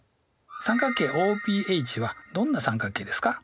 三角形ＯＰＨはどんな三角形ですか？